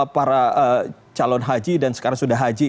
para calon haji dan sekarang sudah haji